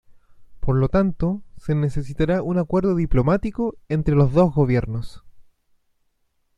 Por lo tanto, se necesitará un acuerdo diplomático entre los dos gobiernos.